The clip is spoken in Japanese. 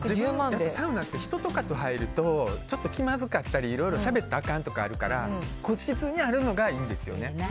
サウナって人とかと入るとちょっと気まずかったりいろいろしゃべったらあかんとかあるから個室にあるのがいいんですよね。